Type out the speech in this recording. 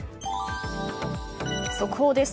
速報です。